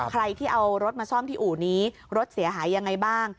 ใครที่เอารถมาซ่อมที่อู่นี้รถเสียหายยังไงบ้าง